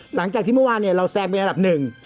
หลังจากที่เมื่อวานเนี่ยเราแซงไประดับหนึ่ง